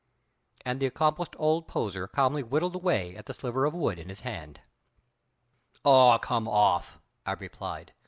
And the accomplished old poser calmly whittled away at the sliver of wood in his hand. "Aw, come off!" I replied.